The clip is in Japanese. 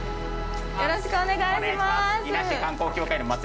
よろしくお願いします。